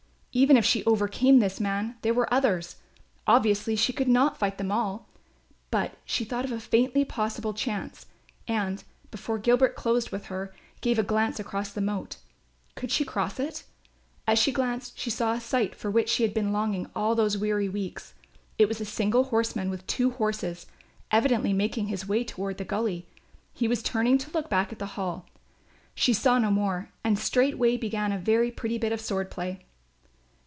Even if she overcame this man, there were others; obviously she could not fight them all. But she thought of a faintly possible chance and, before Gilbert closed with her, gave a glance across the moat. Could she cross it? As she glanced she saw a sight for which she had been longing all these weary weeks, it was a single horseman with two horses, evidently making his way toward the gully. He was turning to look back at the Hall. She saw no more, and straightway began a very pretty bit of sword play.